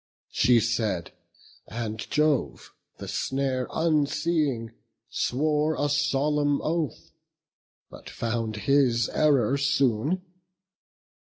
She said, and Jove, the snare unseeing, swore A solemn oath; but found his error soon.